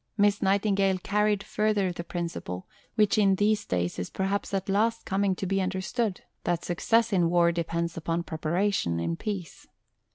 Miss Nightingale carried further the principle, which in these days is perhaps at last coming to be understood, that success in war depends upon preparation in peace.